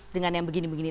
dengan yang begini begini